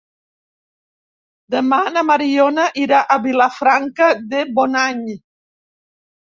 Demà na Mariona irà a Vilafranca de Bonany.